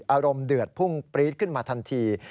อารมณ์เดือดพุ่งปรี๊ดขึ้นมาทันที